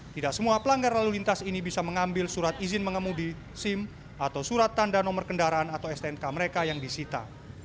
tidak semua pelanggar lalu lintas ini bisa mengambil surat izin mengemudi sim atau surat tanda nomor kendaraan atau stnk mereka yang disita